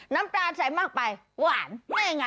น้ำตาลใส่มากไปหวานนั่นไง